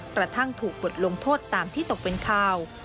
กระทั่งถูกบทลงโทษตามที่ตกเป็นข่าว